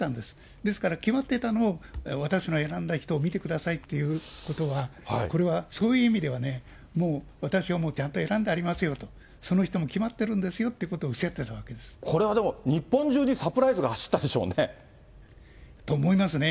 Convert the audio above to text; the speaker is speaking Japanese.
ですから、決まっていたのを、私の選んだ人を見てくださいっていうことは、これはそういう意味ではね、もう私はちゃんともう選んでありますよと、その人が決まってるんですよっていうことをおっしゃってるわけでこれは日本中にサプライズがと思いますね。